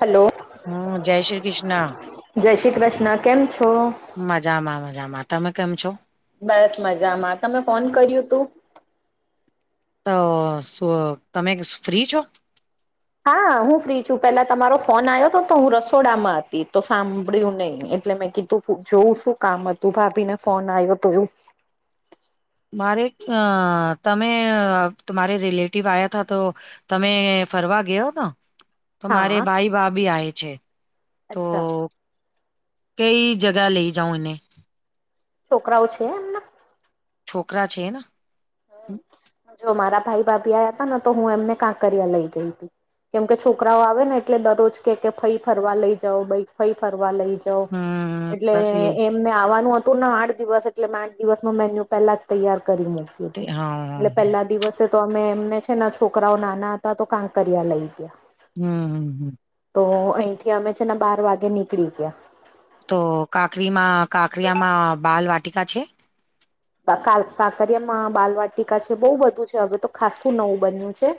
Hello. હમ જય શ્રી કૃષ્ણ. જય શ્રી કૃષ્ણ કેમ છો. મજામાં મજામાં તમે કેમ છો. બસ મજામાં તમે ફોન કર્યું તું. તો શ તમે ફ્રી છો. હા હું ફ્રી છું પેલા તમારો ફોન આવ્યો હતો તો હું રસોડામાં હતી તો સાંભળ્યું નહી એટલે મેં કીધું. જોવું શું કામ હતું ભાભી ને ફોન આવ્યો તોયું. મારે અ તમે તુરે રિલેટિવ આયા હતા તો. તમે ફરવા ગયો કા તો મારે હા ભાઈ ભાભી આએ છે. તો અચ્છા કઈ જગહ લઇ જાઉ એને? છોકરાઓ છે. છોકરા છે ને જો મારા ભાઈ ભાભી આયા હતા ને તો હું એમને કાંકરિયા લઈ ગઈ હતી. કેમ કે છોકરાઓ આવે ને એટલે દરરોજ કે કે ફઈ ફરવા લઈ જાાવ ભાઈ ફઈ ફરવા લઈ જાવ. હમ તો એટલે બસ એ એ અમને આવાનું હતું ને આઠ દિવસ એટલે મેં આઠ દિવસ નો મેન્યુ પેલા જ તૈયાર કરી મૂક્યું. તે તો હા એટલે પહેલા દિવસે તો અમે એમને છે ના છોકરાઓ નાના હતા તો કાંકર્યા લઈ ગયા. હમ્મ, હમ્મ, હમ્મ. તો અહીંથી અમે છેના બાર વાગે નીકળી ગયા. તો કાકરીમાં કાકરીયામાં બાલ વાટીકા છે? કા કાલ કાકરિયામાં બાલવાટિકા છે બહુ બધું છે હવે તો ખાસું નવું બન્યું છે.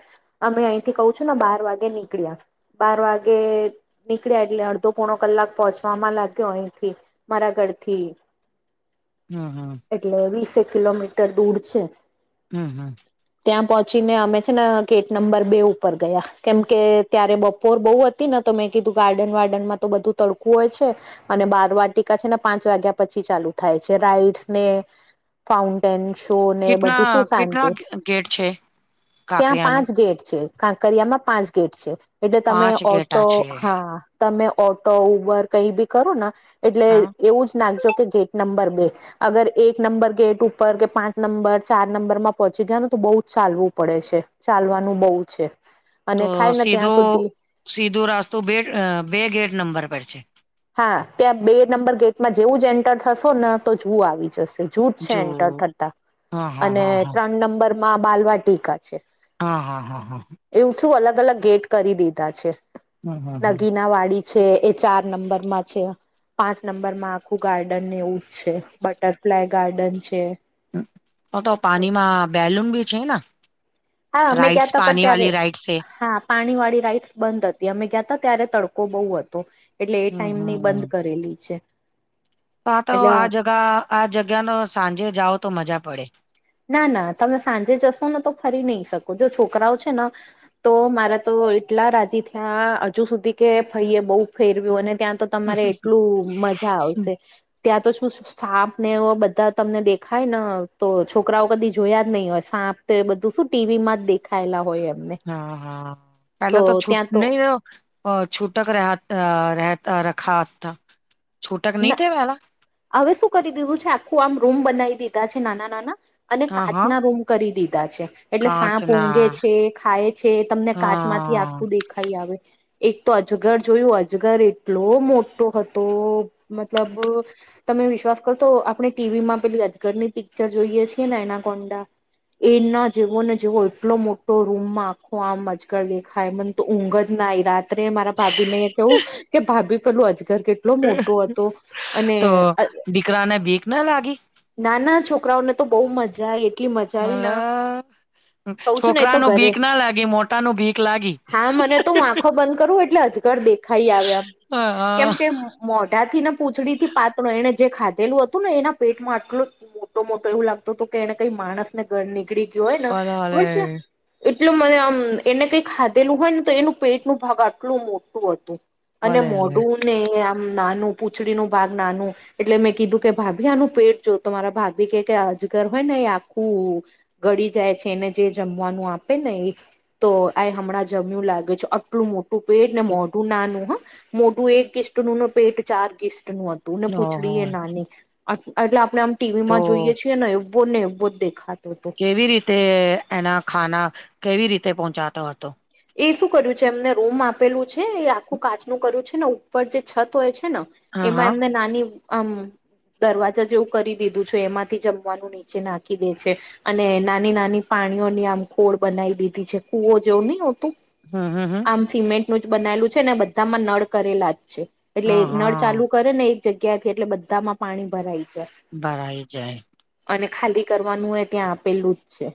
અમે અહીંથી કહ છું ને બાર વાગે નીકળ્યા બાર વાગે નીકળ્યા એટલે અડધો પોણો કલાક પહોંચવામાં લાગ્યો અહીંથી મારા ઘરથી. હમ્મ, હમ્મ. એટલે વીસેક કિલોમીટર દૂર છે. હમ્મ, હમ્મ. ત્યાં પહોંચીને અમે છે ને ગેટ નંબર બે ઉપર ગયા કેમ કે ત્યારે બપોર બહુ હતી ને તો મેં કીધું ગાર્ડન વાર્ડન માં તો બધું તડકું હોય છે. અને બાર વાટિકા છે ને પાંચ વાગ્યા પછી ચાલુ થાય છે રાઈડસ ને ફાઉન્ટેન શો ને કેટલા બધું શું કેટલા સાંજે ગેટ છે ત્યાં કાકરિયાનું પાંચ ગેટ છે કાંકરિયામાં પાંચ ગેટ છે. એટલે તમે પાંચ ગેટા ઓટો છે હા. તમે ઓટો ઉબર કઈ બી કરો ને એટલે એ હા એવું જ નાખજો કે ગેટ નંબર બે અગર એક નંબર ગેટ ઉપર કે પાંચ નંબર ચાર નંબર માં પહોંચી ગયા ને તો બહુ જ ચાલવું પડે છે. ચાલવાનું બહુ છે તો અને થાય ને ત્યાં સીધો સુધી સીધું રાસ્તુ બે બે ગેટ નંબર પર છે. હા, ત્યાં બે નંબર ગેટમાં જેવું જ એન્ટર થશો ન તો ઝૂ આવી જશે. ઝૂ જ છે જો એન્ટર થતા હા હા અને હા ત્રણ નંબરમાં બાલ વાટીકા છે. હા હા હા હા હા. એ શું અલગ અલગ ગેટ કરી દીધા છે હમ હમ હમ નગીના વાડી છે એ ચાર નંબર માં છે. પાંચ નંબરમાં આખું ગાર્ડન ને એવું જ છે. બટરફ્લાય ગાર્ડન છે. હ આ તો હા પાણીમાં બેલુન બી છે ના? હા, અને ગયા તા પણ ત્યારે રાઈડ્સ છે હા પાણી વાળી રાઈટ્સ બંધ હતી અમે ગયા હતા ત્યારે તડકો બહુ હતો. એટલે એ હમ ટાઈમ ની બંધ કરેલી છે. તો તો એટલે આ જ આ જગ્યા નો સાંજે જાઓ તો મજા પડે. ના ના તમે સાંજે જશો ને તો ફરી નહી શકો જો છોકરાઓ છે ન તો મારા તો એટલા રાજી થયા હજુ સુધી કે ફઈએ બહુ ફેરવ્યું અને ત્યાં તો તમારે એટલું મજ જા આવશે ત્યાં તો શું સાપ ને એ બધા તમને દેખાય ન તોજ છોકરાઓ કદી જોયા જ નહીં હોય સાંપ તો એ બધું શું ટી વી માંજ દેખ ખાયેલા હોય એમને. હા તો ત્યાં તો અહ છૂટક રહ અહ રહેતા રખા આપતા છૂટક ન નહી થાય પહેલા? હવે શું કરી દીધું છે આખું આમ રૂમ બનાવી દીધા છે નાના નાના અને હા હા કાચના રૂમ કરી દીધા છે. એટલે કાચ સાપ ના ઊંઘે છે ખાય છે તમને કાચ માંથી હા આખવું દેખાય આવે. એક તો અજગર જોયું, અજગર એટલો મોટો હતો મતલબ તમે વિશ્વાસ કરશો આપણે ટી વી માં પેલી અજગરની પિક્ચર જોઈએ છીએ ને એનાકોન્ડા એ ના જેવો ને જેવો એટલો મોટો રૂમમાં આખો આમ આજગર દેખાય મન તો ઊંઘજ ના આઈ રાત ત્રે મારા ભાભી ને કેવું કે ભાભી પેલું અજગર કેટલો મોટો હતો અને તો દીકરાને બીક ના લાગી? ના, ના, છોકરાઓને તો બઉ મજા આઈ. હા કઉ છું ને એ તો છોકરાનું ઘરે ભીક ના લાગી મોટા નુ ભીક લાગી હા મને તો ઉં આંખો બંધ કરું એટલે અજગર દેખાઈ આવે એમ કેમ હા કે મોઢા થી ને પૂંછડીથી પાતળો એણે જે ખાધેલું હતું ને એના પેટમાં આ ગળ મોટો મોટો એવું લાગતો તો કે એને કઈ માણસને ગર નીકળી ગયો હોય ને ભલે ભલે ખબર છે એટલુ મને આમ એને કઈ ખાધેલું હોય ને તો એનું પેટ નું ભાગ આટલું મોટું અતુ. અને ભલે મોઢુ ને એનેઞઆમ નાનું પૂંછડીનું ભાગ નાનું એટલે મેં કીધું કે ભાભી આનું પેટ જો તો મારા ભાભી કે કે આ અજગર હોય ને એ આખું ગળી જાય છે એને જે જમવાનું આપે ને એ તો આય હમણાં જમ્યું લાગે છે આટલું મો ટુ પેટને મોઢું નાનું હં, મોઢું એક કિસ્ટનું ને પેટ ચાર કિસ્ટનું અ તું ને ભલે ઓહો પૂછડી એ નાની અન એટલે આપણે આમ ટી વી તો માં જોઈએ છીએ ને એવ બોલને એવો જ દેખાતો તો કેવી રીતે એના ખાના કેવી રીતે પહોંચાતો હતો. એ શું કર્યું છે એમને રૂમ આપેલું છે એ આખું કાચનું કર્યું છે ને ઉપર જે છત હોય છે ન હા એમાં હા એમને નાની આમ દરવાજા જેવું કરી દીધું છે, એમાંથી જમવાનું નીચે નાંખી દે છે. અને નાની નાની પાણીઓની આમ કોળ બનાઈ દીધી છે કુવો જેવું નઈ હોતું. હમ, હમ, હમ્મ. સિમેન્ટનું જ બનાયલું છે ને બધામાં નળ કરેલા જ છે એટલે હા એ નળ હા ચાલુ કરે ને જગ્યાથી એટલે બધામાં પાણી ભરાય જાય. ભરાઈ જાય. અને ખાલી કરવાનું એ ત્યાં આપેલું જ છે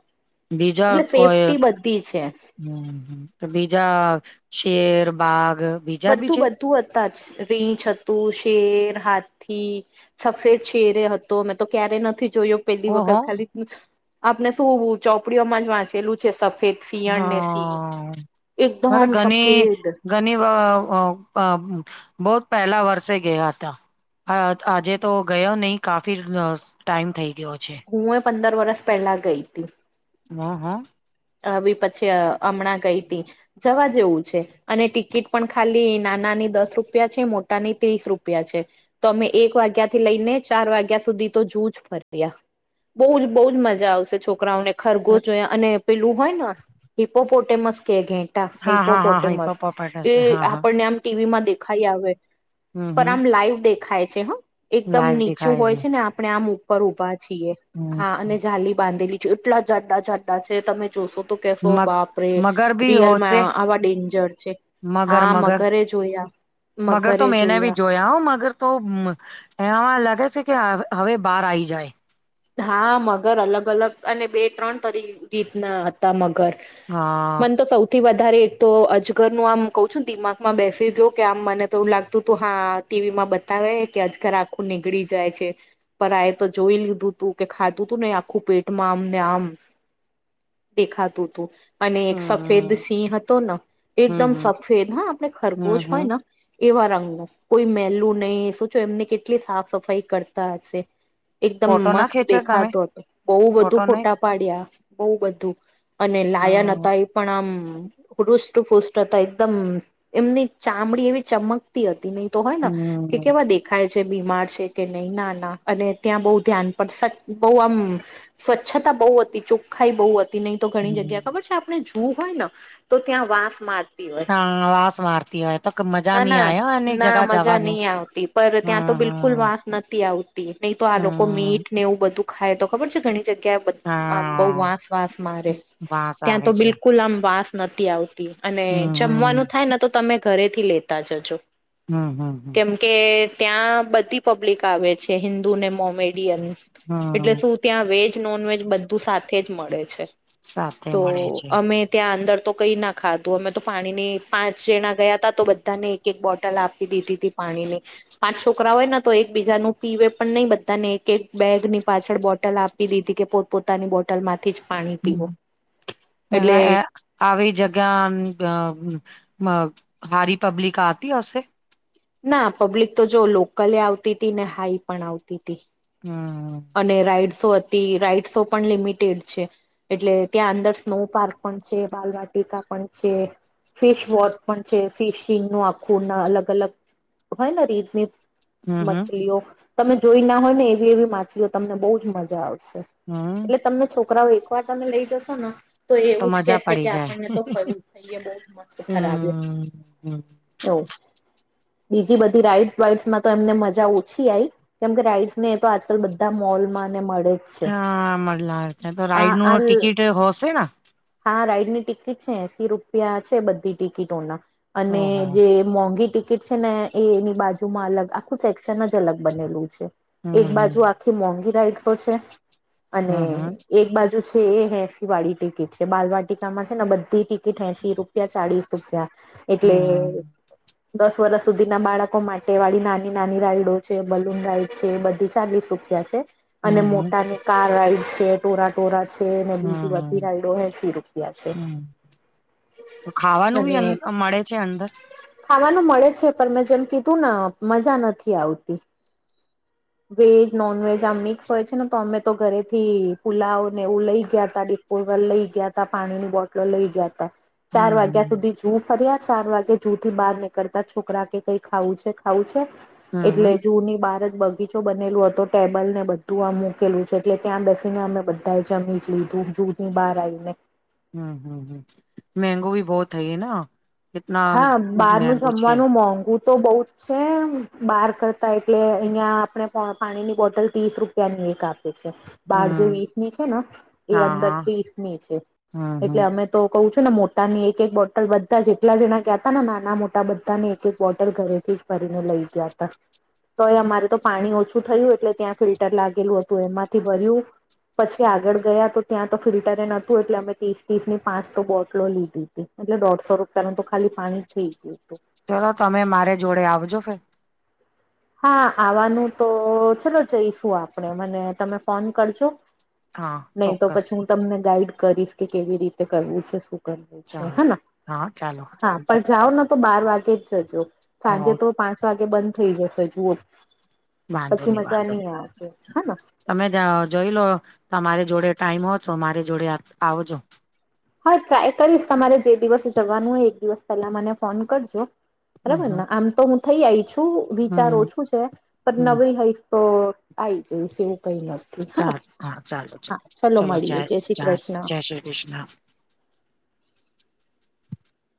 બીજા એટલે કોઈ સેફ્ટી બધી છે. હમ તો બીજા શેર બાઘ બીજા બી બધું છે બધું હતા જ રીંછ હતું શેર, હાથી સફેદ શેરે હતો, મેં તો ક્યારે નથી જોયો. પેલી વખત ઓહો ખાલી આપને શું ચોપડીઓમાં જ વાંચેલું છે સફેદ સિંહણ ને સિંહ હા એકદમ સફેદ ઘની વા અ અ બહત પેલા વરસેે ગયા હતા. હ આજે તો ગયો નઈ કાફી અ સ ટાઈમ થઈ ગયો છે. ઉં એ પંદર વરસ પેલાં ગઈ તી. હમ હમ્મ. આવી પછી અ અમણાં ગઈ તી, જવા જેવું છે. અને ટિકિટ પણ ખાલી નાનાની દસ રૂપિયા છે મોટાની ત્રીસ રૂપિયા છે. તો અમે એક વાગ્યા થી લઈને ચાર વાગ્યા સુધી તો ઝુ જ ફર્યા. બઉ જ બઉ જ મજા આવશે છોકરાઓને ખરગોશ જોયા અને પેલું હોય ને હિપોપોટેમસ્ કે કે ટા હા હા હા હા હિપોપોટેમસ એ પપ્પાપાટશે હા હા આપણને આમ ટી વી માં દેખાઈ આવે. હમ પર હમ આમ લાઈવ દેખાય છે હં એકદમ લાઈવ નીચું દેખાય હોય છે ને આપણે આમ ઉપ પર ઉભા છીએ હા હમ અને જાલી બાંધેલી છે એટલા જાડા જાડા છે તમે જોશો તો કેશો મગ બાપરેે મગર બી હોશે રિયલમાં આવા ડેન્જર છે. મગર હાં, મગર મગરે જોયા. મગર તો મેને બી જોયા હો મગર. તો મ એનામાં લાગે છે કે હ હવે બાર આઈ જાય. હા મગર અલગ અલગ અને બે ત્રણ તરી રીતના હતા મગર. હા મન તો સૌ થી વધારે એક તો અજગર નું આમ કઉ છું દિમાગમાં બેસી ગ્યુ કે આમ મને તો એવુ લાગતું તું હા ટી વી માં બતાવે કે અજગર આખું નીગળી જાય છે પર આયે તો જોઈ લીધું. કે ખાતું તું નને આખું પેટમાં આમ ને આમ દેખાતું હતું. અને એક હમ સફેદ હમ સિંહ હતો ને હમ એકદમ હમ સફેદ હા આપણે હમ ખરગોશ હમ હોય ને. એવા રંગ કોઈ મેલું નહી શુંચો એમને કેટલી સાફ સફાઈ કરતા હશે. એકદમ ફોટો ના મસ્ત ખેંચો તમે દેખાતો હતો બહુ ફોટો બધું નહી ફોટા પાડ્યા બહુ બધું. અને લાયા ન હ હતા એ. પણ આમ રુષુ ફુસ્ટ હતા એકદમ એમની ચામડી એવી ચમક. હતી નહી તો હોય ને કે હમ કેવા દે. ખાય જે બીમાર છે કે નહીં નાના અને ત્યાં બહુ ધ્યાન. પણ બહ આમ સ્વચ્છતા બહુ હતી ચોખ્ખાઈ બહુ હતી નહી તો ઘણી જગ્યા હમ ખબર છે. જોવું હોય ને તો ત્યાં વાંસ માર. હા વાસ મારતી હોય તો મજા ના ન ના આયોય એની ના જગા મજા જવાનું. નહી આવતી પર ત્યાં તો હમ બિલકુલ હમ વાસ નથી આવતી. નહી તો આ લોકો હમ મીટ ને એવું બધું ખાય તો ખબર છે ઘણી જગ્યાએ. આ બહુ હા વાંસ વાસ મારે વાસ ત્યાં તો આવે છે બિલકુલ આમ વાંસ નથી આવતી. અને હમ હમ જમવાનું થાય ને તો તમે ઘરેથી લેતા જજો. હમ હમ હમ. કેમ કે ત્યાં બધી પબ્લિક આવે છે હિન્દુ ને મોમેડિયન્સ. એટલે હમ શું ત્યાં વેજ નોન વેજ બધું સાથે જ મળે છે સાથે તો મળે છે અમે. ત્યાં અંદર તો કંઈ ના ખાધું અમે તો પાણીની પાંચ જણા ગયા હતા તો બધાને એક એક બોટલ આપી દીધી હતી. પાણીની પાંચ છોકરા હોય ને તો એક બીજા ન પીવે પણ નહીિ બધાને એક એક. બેગ ની પાછળ બોટલ આપી દીધી કે પોતપ. પતાની બોટલ માંથી જ પાણી પીવો એટલે. આવી જગ્યા હારી પબ્લિક આતી હશે. ના પબ્લિક તો જો લોકલે આવતી હતી ને હાઈ પણ આવતી હતી. હા. અને રાઈડસો હતી રાઈડસો પણ લિમિટેડ છે. એટલે ત્યાં અંદર સ્નો પાર્ક પણ છે બાલવાટિકા પણ છે. ફેસવોશ પણ છે ફસિંગ ન આખું ના અલગ અલગ હોય ને રીતની. હમ હમ માછલીઓ તમે જોઈ ના હોય ને એવી એવી માછલીઓ તમને બહુ જ મજા આવશે. હમ એટલે તમને છોકરાઓ એક વાર તમે લઈ જશો ને. તો એવું જ મજા કેશે પડી કે જાય આપણને તો ફું થઈએ બહ મસ્ત ખરાબ. હમ એવ. બીજી બધી રાઈડસ વાઈડસમાં તો એમને મજા ઓછી આવી કેમકે રાઈડસ ને. બધા મોલમાંને મળે છે. જ હા મળલા છે તો આ રાઈડ ન આ ટિકિટ હોશે ને. હા રાઈડ ની ટિકિટ છે એસીી રૂપિયા છે બધી ટિકિટોના. અને ઓહ જે મોંઘી ટી. ને એની બાજુમાં અલગ આખું સેક્શન જ અલગ બનેલું છે એક હમ બાજુ. હમ કે મોંઘી રાઈડસો છે હમ અને હમ એક બાજુ છે એ હેસી વાળી ટિકિટ. બાલવાટિકામાં છે ને બધી ટિકિટ એસીી રૂપિયા ચાળસ રૂપિયા એટલે. હમ [inaudible] દસ વર્ષ સુધી ના બાળકો માટે વાળી નાની નાની રાઈડો છે બલૂન રાઈડ છે બધી ચાલી શું. છે અને હમ મોટા કાર રાઈડ છે ટોરા ટોરા છે ને બીજું બધી રાઈડો. એસી રૂપિયા છે. હ તો ખાવાનું અને ભી મળે છે અંદર ખાવાનું મળે છે પણ મેં જેમ કીધું ને મજા નથી આવતી. વેજ નોન વેજ આ મિક્સ હોય છે ને તો અમે તો ઘરેથી ફુલાઓ ને એવું લઈ ગયા ત ડિસ્પોઝલ લઈ ગયા ત પાણીની બોટલો લઈ ગયા ત ચાર હમ વાગ્યા હમ સુધી જુ ફર્યા ચાર વાગે જુ થી બહાર નીકળતા છોકરા કે કઈ ખાવું છે ખાવું છે. એટલે હમ જૂની બાર જ બગી બનેલું હતો ટેબલ ને બધું આમ મૂકેલું છે એટલે ત્યાં બેસીને અમે બધા જમી લીધું. ની બહાર આવી ને હમ હમ હમ મેગો ભી બહત થઈ ના કતના હા બાર નું મેંગો છે જમવાનું મોંઘુ તો બહ જ છે બહાર કરતા એટલે અહિયાં આપણે પાણીની બોટલ ત્રીસ રૂપ ત્યાની એક આપે છે બાર જે હમ વીસ ની છે ને એ હા અંદર હા ત્રીસ ની છે હમ હમ એટલે અમે તો કહું છું ને મોટા ની એક એક બોટલ બધા જ કેટલા જણા ગયા ત નાના મોટા બધાને એક એક બોટલ ઘરેથી ફરીને લઈ ગયા તા તો એ અમારે તો પાણી ઓછું થયું એટલે ત્યાં ફિલ્ટર લાગેલું હતું એમાંથી ભર્યું. પછી આગળ ગયા તો ત્યાં તો ફિલ્ટરે નતું એટલે અમે ત્રીસ ત્રીસ ની પાંચ તો બોટલો લીધી એટલે દોઢસો રૂપિયાનું તો ખાલી પાણી થઈ ગયું હતું. ચલો તમે મારે જોડે આવજો ફેર હા આવવાનું તો ચલો જઈશું આપણે મને તમે ફોન કરજો. હા નહી તો ચોક્કસ પછી હું તમને ગાઈડ કરીશ કે કેવી રીતે કરવું છે શું હે ચાલો હા ચાલો હા પણ જાઓ ને તો બાર વાગે જ જજો સાંજે તો પાંચ વાગે બંધ થઈ જશે જુઓ. વાંધો પછી નહી મજા વાંધો નઈ નહી આવે કે હે તમે જોઈ લો તમારી જોડે ટાઈમ હો તો મારી જોડે આવજો. હા ટ્રાય કરીશ તમારે જે દિવસે જવાનું હોય એક દિવસ પહેલા મને ફોન કરજો હમ બરાબર હમ ને આમ તો હું થઇ આવીઈ છું વિચાર હમ ઓછું છે પણ હમ નવીરી હૈફ તો આઈ જોઈ છે. કઈ નથી હે સારું હા ચાલો હા ચલો ચાલો મળીએે જય શ્રી કૃષ્ણ જય શ્રી કૃષ્ણ